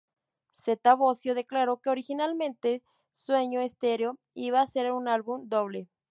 Zeta Bosio declaró que originalmente "Sueño Stereo" iba a ser un álbum doble.